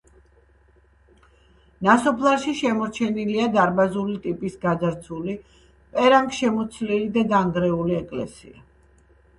ნასოფლარში შემორჩენილია დარბაზული ტიპის გაძარცვული, პერანგშემოცლილი და დანგრეული ეკლესია.